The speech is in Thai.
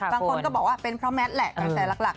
บางคนก็บอกว่าเป็นเพราะแมทแหละกระแสหลัก